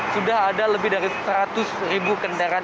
sudah ada lebih dari seratus ribu kendaraan